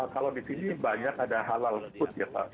kalau di sini banyak ada halal food ya pak